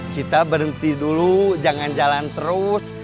kita berhenti dulu jangan jalan terus